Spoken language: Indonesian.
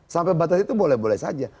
sampai batas itu boleh boleh saja